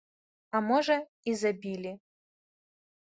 А можа і забілі.